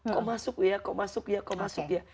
kok masuk ya kok masuk ya kok masuk ya